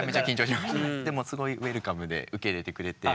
でもすごいウエルカムで受け入れてくれて。